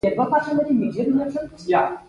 څوارلس سپاره عسکر ملګري ول.